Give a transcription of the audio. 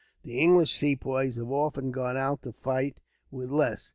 The English Sepoys have often gone out to fight, with less.